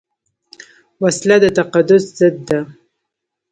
وسله د تقدس ضد ده